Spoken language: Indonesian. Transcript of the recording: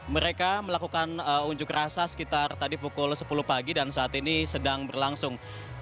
mereka melakukan unjuk rasa sekitar tadi pukul sepuluh pagi dan saat ini sedang berlangsung